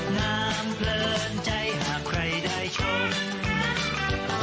น้ำเป็นแห่งปลาวายแข่งกัน